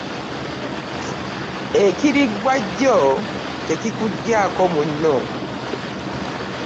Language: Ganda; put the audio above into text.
Ekiriggwa jjo tekikugyako munno .